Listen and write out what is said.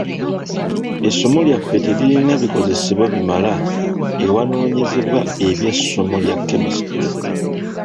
Essomero lyaffe teririna bikozesebwa bimala ewanoonyerezebwa eby'essomo lya kemesitule.